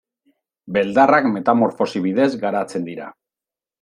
Beldarrak metamorfosi bidez garatzen dira.